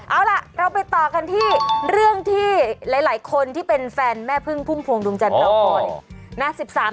เอาล่ะเราไปต่อกันที่เรื่องที่หลายคนที่เป็นแฟนแม่พึ่งพุ่มพวงดวงจันทร์รอคอยนะ